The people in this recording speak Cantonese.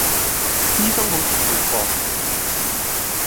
醫生好似叫博士